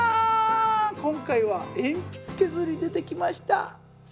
今回は鉛筆削り出てきました。